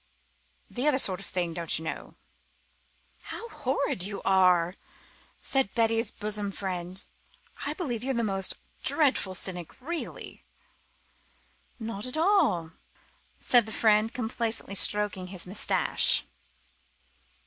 "The other sort of thing, don't you know!" "How horrid you are," said Betty's bosom friend. "I believe you're a most dreadful cynic, really." "Not at all," said the friend, complacently stroking his moustache.